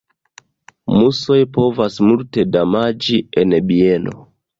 Musoj povas multe damaĝi en bieno.